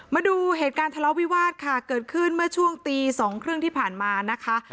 มาดูเหตุการณ์ทะเลาะวิวาสค่ะเกิดขึ้นเมื่อช่วงตีสองครึ่งที่ผ่านมานะคะ